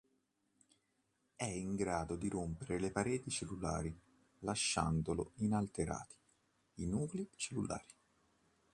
È in grado di rompere le pareti cellulari lasciando inalterati i nuclei cellulari.